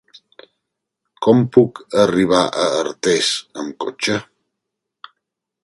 Com puc arribar a Artés amb cotxe?